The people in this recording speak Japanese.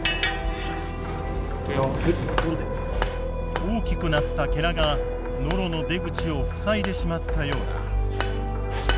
大きくなったがノロの出口を塞いでしまったようだ。